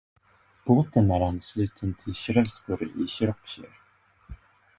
Båten är ansluten till Shrewsbury i Shropshire.